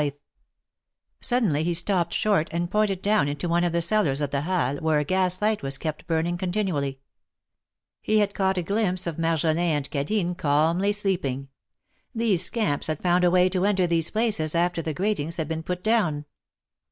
108 THE MARKETS OF PARIS. Suddenly he stopped short and pointed down into one of the cellars of the Halles, where a gas light was kept burning continually. He had caught a glimpse of Mar jolin and Cadine calmly sleeping. These scamps had found a way to enter these places after the gratings had been put down.